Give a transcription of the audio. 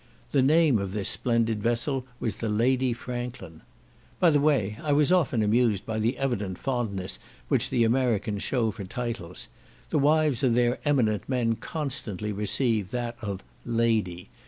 The name of this splendid vessel was the Lady Franklin. By the way, I was often amused by the evident fondness which the Americans shew for titles. The wives of their eminent men constantly receive that of "Lady."